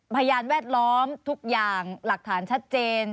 พยานแวดล้อมทุกอย่างหลักฐานชัดเจน